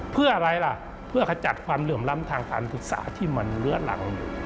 เพื่ออะไรล่ะเพื่อขจัดความเหลื่อมล้ำทางการศึกษาที่มันเลื้อหลัง